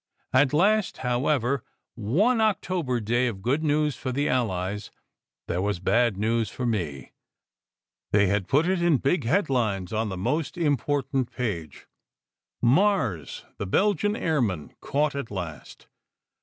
At last, how ever, one October day of good news for the Allies, there SECRET HISTORY 263 was bad news for me. They had put it in big headlines on the most important page : "Mars, the Belgian Airman, Caught at Last.